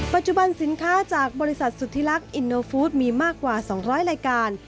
ปัจจุบันสินค้าจากบริษัทสุธิลักษ์อินโนฟู้ดมีมากกว่า๒๐๐รายการ